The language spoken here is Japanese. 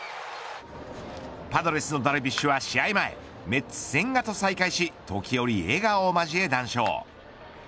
パドレスのダルビッシュは試合前、メッツの千賀と再会し時折笑顔を交え談笑。